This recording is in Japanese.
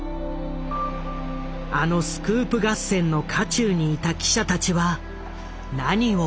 あのスクープ合戦の渦中にいた記者たちは何を思うのか。